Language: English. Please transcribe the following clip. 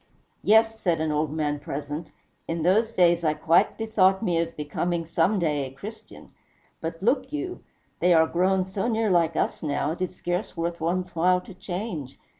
"Yes," said an old man present, "in those days I quite bethought me of being some day a Christian; but look you, they are grown so near like us now, it is scarce worth one's while to change.